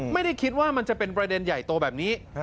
ไม่ได้คิดว่ามันจะเป็นประเด็นใหญ่โตแบบนี้